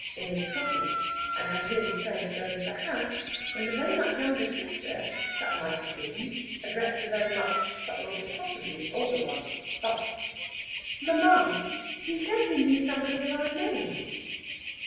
in the Metropolis, and had nearly turned to go into the house, when the very much younger sister (that might have been) addressed the very much, but not impossibly, older one thus: "Mamma, he said he knew somebody of our name!"